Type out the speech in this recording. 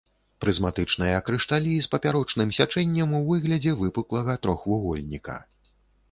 Прызматычныя крышталі з папярочным сячэннем у выглядзе выпуклага трохвугольніка.